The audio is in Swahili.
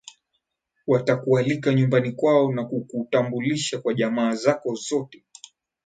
watakualika nyumbani kwao na kukutambulisha kwa jamaa zako zote